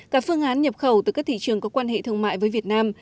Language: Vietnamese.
cả phương án nhập khẩu từ các thị trường có quan hệ thương mại với việt nam